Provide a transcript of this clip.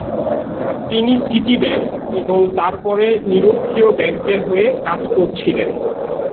তিনি city bank এবং তারপরে নিরক্ষীয় ব্যাংকের হয়ে কাজ করেছিলেন।